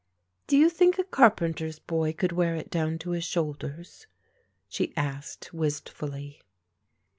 "Do you think a carpenter's boy could wear it down to his shoulders?" she asked wistfully.